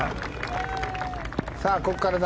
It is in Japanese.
さあ、ここからだ。